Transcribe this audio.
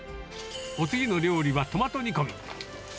お次の料理はトマト煮込み。